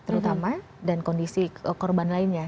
terutama dan kondisi korban lainnya